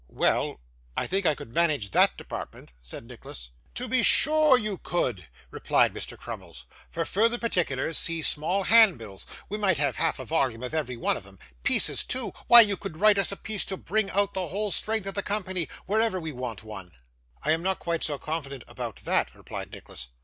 'Well, I think I could manage that department,' said Nicholas. 'To be sure you could,' replied Mr. Crummles. '"For further particulars see small hand bills" we might have half a volume in every one of 'em. Pieces too; why, you could write us a piece to bring out the whole strength of the company, whenever we wanted one.' 'I am not quite so confident about that,' replied Nicholas.